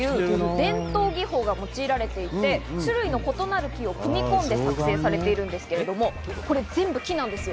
木象嵌という伝統技法が用いられていて種類の異なる木を用いて作成されてるんですが、これ全部木なんですよ。